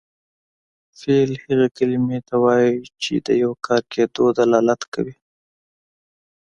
فعل هغې کلمې ته وایي چې د یو کار کیدو دلالت کوي.